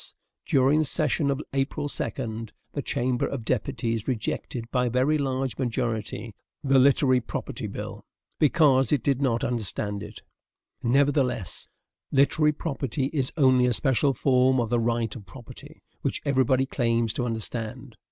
During the session of April 2, the Chamber of Deputies rejected, by a very large majority, the literary property bill, BECAUSE IT DID NOT UNDERSTAND IT. Nevertheless, literary property is only a special form of the right of property, which everybody claims to understand.